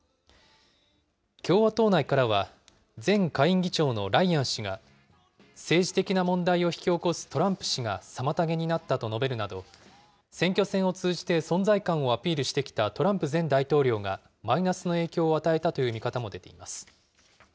共和党内からは、前下院議長のライアン氏が、政治的な問題を引き起こすトランプ氏が妨げになったと述べるなど、選挙戦を通じて存在感をアピールしてきたトランプ前大統領がマイナスの影響を与えたという見方も出ています。